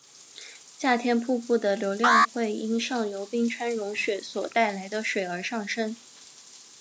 夏天瀑布的流量会因上游冰川融雪所带来的水而上升。